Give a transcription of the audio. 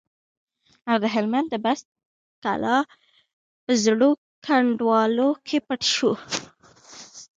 او د هلمند د بست کلا په زړو کنډوالو کې پټ شو.